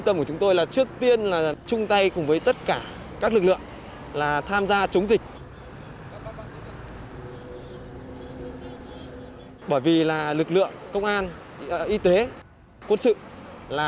nên là chúng tôi là không sợ là cái vấn đề lây lan dịch bệnh hay gì cả